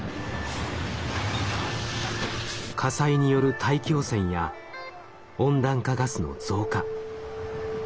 火災による大気汚染や温暖化ガスの増加。